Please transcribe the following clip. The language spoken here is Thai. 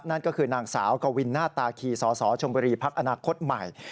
นั่นก็คือนางสาวกวินหน้าตาคีสสชมบุรีพักอนาคตใหม่